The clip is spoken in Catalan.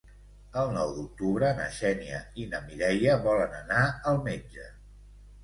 El nou d'octubre na Xènia i na Mireia volen anar al metge.